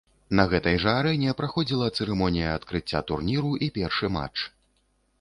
На гэтай жа арэне праходзіла цырымонія адкрыцця турніру і першы матч.